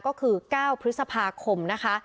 ก็คือ๙พฤษภาคมนะคะ